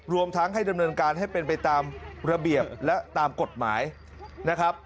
รวมทั้งให้ดำเนินการให้เป็นไปตามระเบียบและตามกฎหมายนะครับ